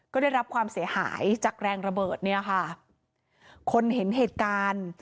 ก็ได้รับความเสียหายจากแรงระเบิดเนี่ยค่ะคนเห็นเหตุการณ์